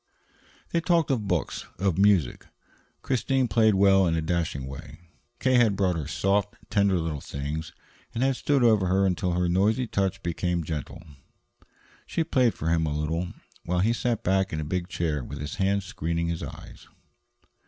They talked of books, of music Christine played well in a dashing way. K. had brought her soft, tender little things, and had stood over her until her noisy touch became gentle. She played for him a little, while he sat back in the big chair with his hand screening his eyes.